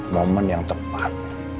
momen yang tepat